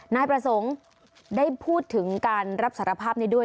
นายประสงค์ได้พูดถึงการรับสารภาพนี้ด้วย